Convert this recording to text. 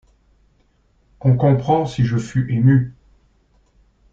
On comprend si je fus ému!